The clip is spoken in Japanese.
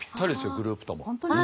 グループとも。